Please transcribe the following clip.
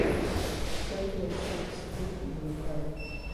Circular shapes frequently recur.